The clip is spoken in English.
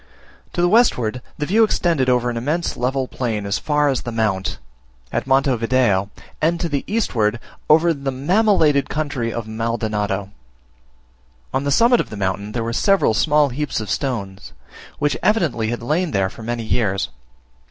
To the westward the view extended over an immense level plain as far as the Mount, at Monte Video, and to the eastward, over the mammillated country of Maldonado. On the summit of the mountain there were several small heaps of stones, which evidently had lain there for many years.